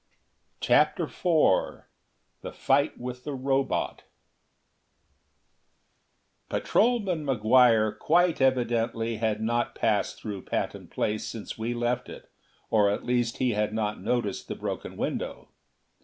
CHAPTER IV The Fight With the Robot Patrolman McGuire quite evidently had not passed through Patton Place since we left it; or at least he had not noticed the broken window.